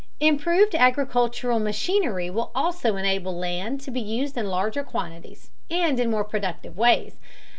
Improved agricultural machinery will also enable land to be used in larger quantities and in more productive ways.